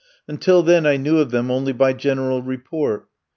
Until then I knew of them only by general report.